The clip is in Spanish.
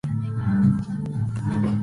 Otro problema era el monto de sus pagas.